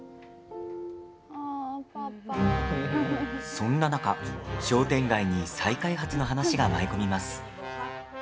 そんな中、商店街に再開発の話が舞い込みます。